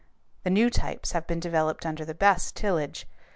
The new types have been developed under the best tillage.